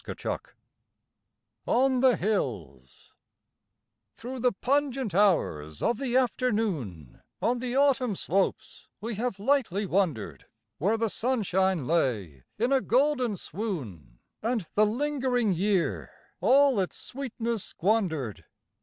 72 ON THE HILLS Through the pungent hours of the afternoon, On the autumn slopes we have lightly wandered Where the sunshine lay in a golden swoon And the lingering year all its sweetness squandered.